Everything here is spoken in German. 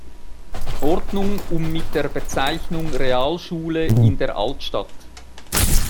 Ordnung um mit der Bezeichnung Realschule in der Altstadt.